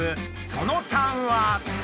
その３は。